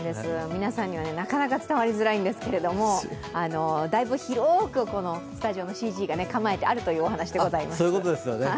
皆さんにはなかなか伝わりづらいんですけれども、だいぶ、広くスタジオのＣＧが構えてあるという話です。